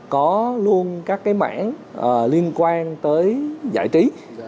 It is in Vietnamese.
có luôn các cái mảng liên quan tới giải trí